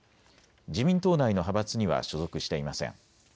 自民党内の派閥には所属していません。